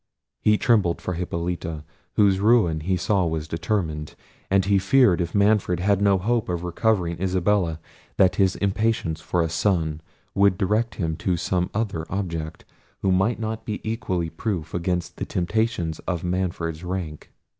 He trembled for Hippolita, whose ruin he saw was determined; and he feared if Manfred had no hope of recovering Isabella, that his impatience for a son would direct him to some other object, who might not be equally proof against the temptation of Manfred's rank.